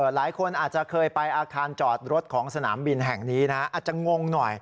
หลายคนอาจจะเคยไปอาคารจอดรถของสนามบินแห่งนี้นะอาจจะงงหน่อย